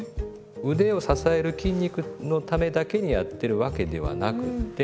腕を支える筋肉のためだけにやってるわけではなくって。